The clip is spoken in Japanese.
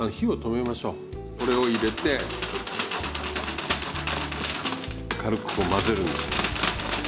これを入れて軽くこう混ぜるんです。